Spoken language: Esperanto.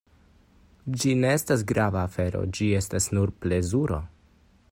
Ĝi ne estas grava afero, ĝi estas nur plezuro.